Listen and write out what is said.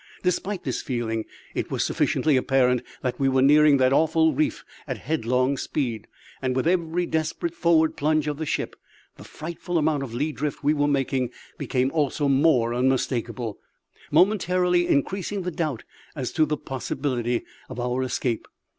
Despite this feeling it was sufficiently apparent that we were nearing that awful reef at headlong speed; and with every desperate forward plunge of the ship the frightful amount of lee drift we were making became also more unmistakable, momentarily increasing the doubt as to the possibility of our escape.